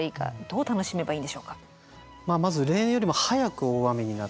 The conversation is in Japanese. どう楽しめばいいんでしょうか？